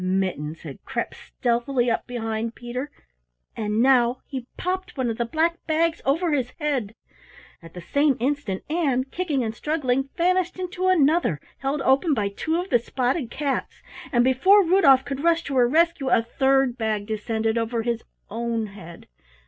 Mittens had crept stealthily up behind Peter and now he popped one of the black bags over his head. At the same instant, Ann, kicking and struggling, vanished into another held open by two of the spotted cats, and before Rudolf could rush to her rescue a third bag descended over his own head.